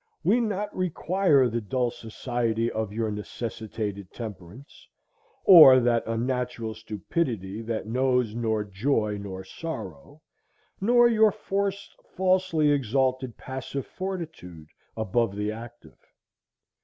We not require the dull society Of your necessitated temperance, Or that unnatural stupidity That knows nor joy nor sorrow; nor your forc'd Falsely exalted passive fortitude Above the active.